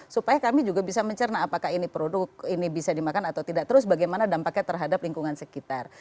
supaya kami juga bisa mencerna apakah ini produk ini bisa dimakan atau tidak terus bagaimana dampaknya terhadap lingkungan sekitar